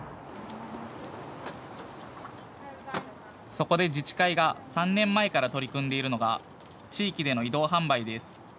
そこで、自治会が３年前から取り組んでいるのが地域での移動販売です。